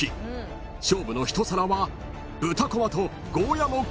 ［勝負の一皿は］